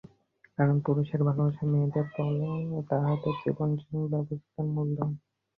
কারণ, পুরুষের ভালোবাসাই মেয়েদের বল, তাহাদের জীবনব্যবসায়ের মূলধন।